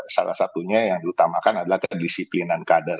salah satunya yang diutamakan adalah kedisiplinan kader